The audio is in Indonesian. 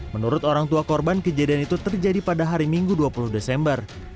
menurut orang tua korban kejadian itu terjadi pada hari minggu dua puluh desember